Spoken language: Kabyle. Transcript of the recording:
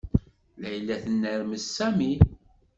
Layla tennermes Sami.